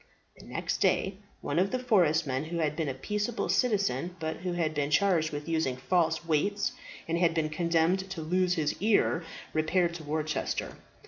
The next day one of the forest men who had been a peaceable citizen, but who had been charged with using false weights and had been condemned to lose his ears, repaired to Worcester.